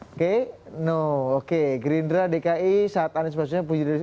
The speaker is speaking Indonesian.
oke no oke gerindra dki saat anis masanya puji dari